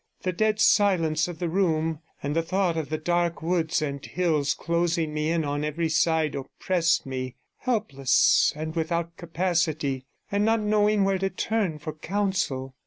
The dead silence of the room, and the thought of the dark woods and hills closing me in on every side, oppressed me, helpless and without capacity, and not knowing where to turn for counsel.